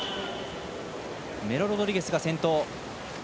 メロロドリゲスが先頭。